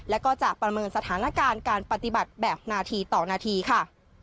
และก็จะประเมินสถานการณ์การปฏิบัติแบบนาทีต่อนาทีค่ะ